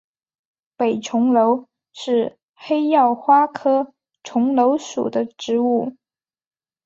北重楼是黑药花科重楼属的植物。